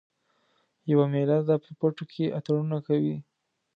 یوه میله ده په پټو کې اتڼونه کوي